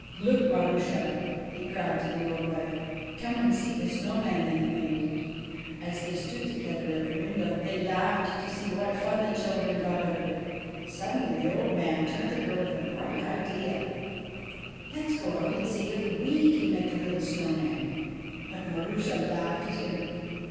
'Look, Marushal' he cried to the old wile. 'Come and see the snow man they've made.' As they stood together at the window, they laughed to see what fun the children got out of it. Suddenly the old man turned to her with a bright idea. ' Let *s go out and see if we can't make a little snow man.' But Marusha laughed at him.